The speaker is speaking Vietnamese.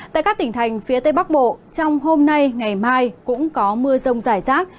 tại các tỉnh thành phía tây bắc bộ trong hôm nay ngày mai cũng có mưa rông rải rác